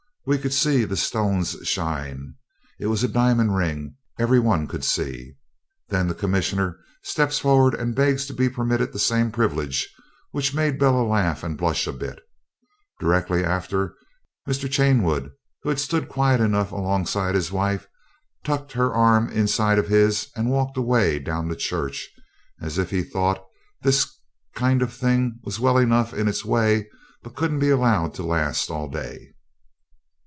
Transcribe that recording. We could see the stones shine. It was a diamond ring, every one could see. Then the Commissioner steps forward and begs to be permitted the same privilege, which made Bella laugh and blush a bit. Directly after Mr. Chanewood, who had stood quiet enough alongside of his wife, tucked her arm inside of his and walked away down the church, as if he thought this kind of thing was well enough in its way, but couldn't be allowed to last all day.